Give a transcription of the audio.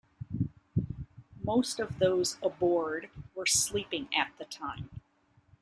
Most of those aboard were sleeping at the time.